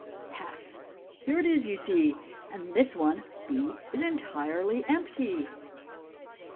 Pass ! Here it is, you see, and this one (B) is entirely empty."